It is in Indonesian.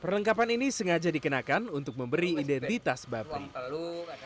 perlengkapan ini sengaja dikenakan untuk memberi identitas mbah pri